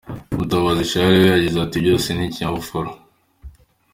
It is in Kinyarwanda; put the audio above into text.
Mutabazi Charles we yagize ati “Byose ni ikinyabupfura.